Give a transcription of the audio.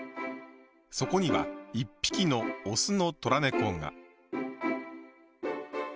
そこには一匹のオスのトラ猫が。